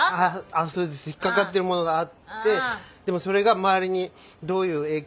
それで引っかかってるものがあってでもそれが周りにどういう影響。